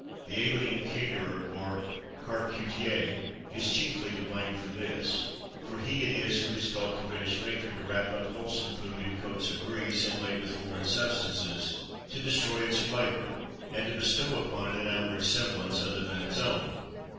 The alien caterer, or charcutier, is chiefly to blame for this; for he it is who has taught the British matron to wrap up wholesome food in coats of grease, inlaid with foreign substances, to destroy its flavour, and to bestow upon it an outward semblance other than its own.